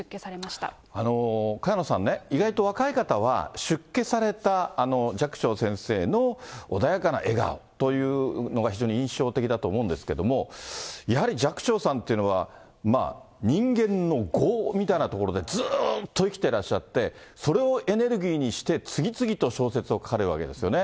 萱野さんね、意外と若い方は、出家された寂聴先生の穏やかな笑顔というのが、非常に印象的だと思うんですけども、やはり寂聴さんっていうのは、人間の業みたいなところでずっと生きてらっしゃって、それをエネルギーにして、次々と小説を書かれるわけですよね。